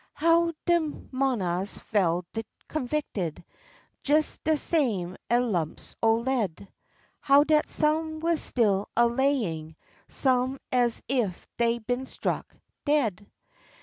How de "monahs fell convicted" jes de same ez lumps o' lead, How dat some wuz still a layin' same es if dey'd been struck dead.